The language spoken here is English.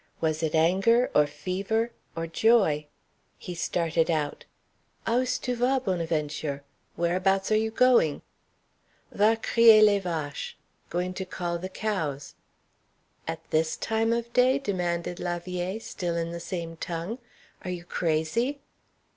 Was it anger, or fever, or joy? He started out. "A ou ce tu va Bonaventure?" "Whereabouts are you going?" "Va crier les vaches." "Going to call the cows." "At this time of day?" demanded la vieille, still in the same tongue. "Are you crazy?"